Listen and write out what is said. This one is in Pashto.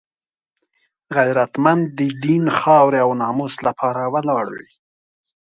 غیرتمند د دین، خاورې او ناموس لپاره ولاړ وي